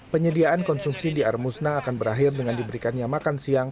penyediaan konsumsi di armusna akan berakhir dengan diberikannya makan siang